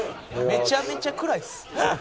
めちゃめちゃ暗いです」